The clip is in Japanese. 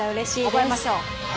覚えましょう。